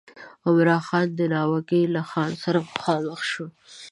عمرا خان د ناوګي له خان سره مخامخ شو.